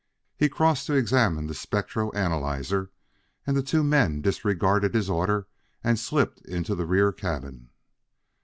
He crossed to examine the spectro analyzer, and the two men disregarded his order and slipped into the rear cabin.